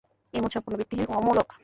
এ মত সম্পূর্ণ ভিত্তিহীন ও অমূলক।